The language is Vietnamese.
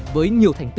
với nhiều thành công